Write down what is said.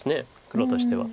黒としては。